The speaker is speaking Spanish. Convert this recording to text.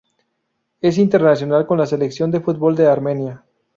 Es internacional con la selección de fútbol de Armenia.